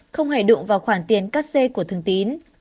không hề đụng vào khoản tiền cắt xe của thương tín